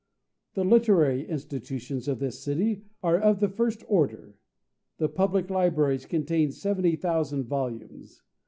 The literary institutions of this city are of the first order. The public libraries contain 70,000 volumes.